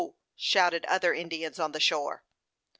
shouted other Indians on the shore.